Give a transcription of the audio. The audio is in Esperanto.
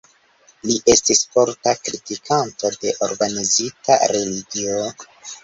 Li estis forta kritikanto de organizita religio.